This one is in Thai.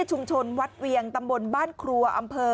ชุมชนวัดเวียงตำบลบ้านครัวอำเภอ